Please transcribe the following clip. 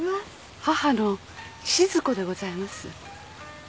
母の志津子でございます。